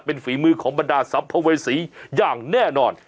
เป็นฝีมือของบรรดาสัมภเวษีอย่างแน่นอน